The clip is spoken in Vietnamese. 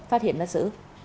phát hiện bắt giữ